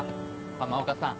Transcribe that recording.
浜岡さん。